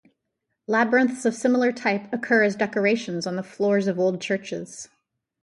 Labyrinths of similar type occur as decorations on the floors of old churches.